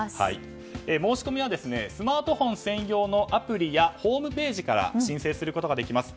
申し込みはスマートフォン専用のアプリやホームページから申請することができます。